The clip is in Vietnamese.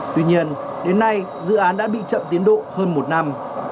tuy nhiên đến nay dự án đã bị chậm tiến độ hơn một năm